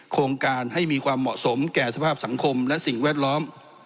โครงการให้มีความเหมาะสมแก่สภาพสังคมและสิ่งแวดล้อม